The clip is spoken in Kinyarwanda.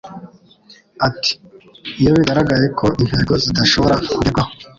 Ati: “Iyo bigaragaye ko intego zidashobora kugerwaho,